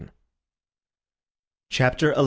CHAPTER XI.